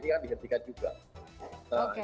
sampai dihentikan sampai hari ini kan dihentikan juga